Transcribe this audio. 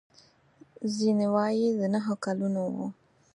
ځینې وايي د نهو کلونو و.